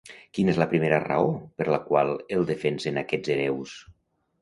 Quina és la primera raó per la qual el defensen aquests hereus?